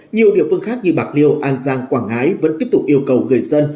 nhiều địa phương khác như bạc liêu an giang quảng ngãi vẫn tiếp tục yêu cầu người dân